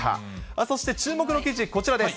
そして注目の記事、こちらです。